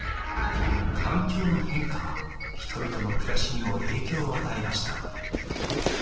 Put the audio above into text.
環境の変化は人々の暮らしにも影響を与えました。